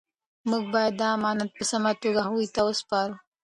موږ باید دا امانت په سمه توګه هغوی ته وسپارو.